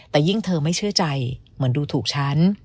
แต่ยิ่งเธอไม่เชื่อใจเหมือนดูถูกฉัน